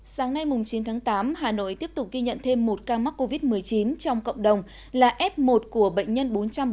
sáng nay chín tháng tám hà nội tiếp tục ghi nhận thêm một ca mắc covid một mươi chín trong cộng đồng là f một của bệnh nhân bốn trăm bốn mươi bốn